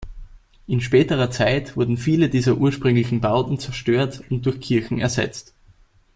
In späterer Zeit wurden viele dieser ursprünglichen Bauten zerstört und durch Kirchen ersetzt.